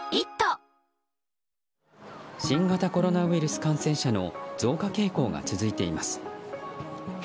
新型コロナウイルス感染者の増加傾向が続いています。